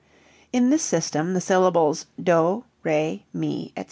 In this system the syllables do, re, mi, etc.